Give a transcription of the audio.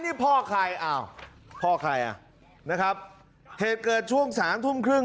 นี่พ่อภายเอาพ่อไครนะครับเหตุเกิดช่วง๓ธุ่มเขิง